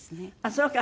そうか。